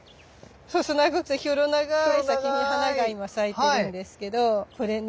細長くてヒョロ長い先に花が今咲いてるんですけどこれね